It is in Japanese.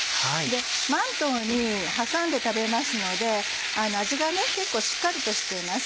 まんとうに挟んで食べますので味が結構しっかりとしています。